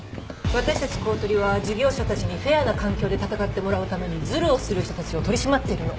私たち公取は事業者たちにフェアな環境で戦ってもらうためにずるをする人たちを取り締まっているの。